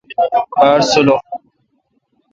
باڑسولح۔